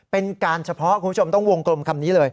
เป็นการเฉพาะคุณผู้ชมต้องวงกลมคำนี้เลย